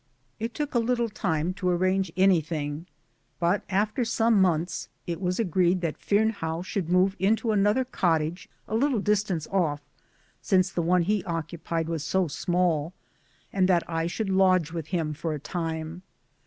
It took a little time to arrange anything, but after some months it was agreed that Fearnehough * should move into another cottage a little distance off (since the one he occupied was so small) and that I should lodge with him for a time.